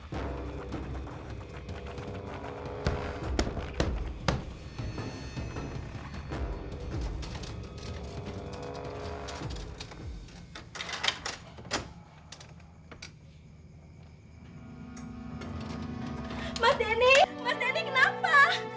mas denny kenapa